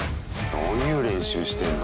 どういう練習してんの？